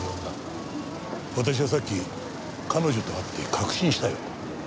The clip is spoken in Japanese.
私はさっき彼女と会って確信したよ。